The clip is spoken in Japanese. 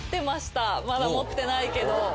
まだ持ってないけど。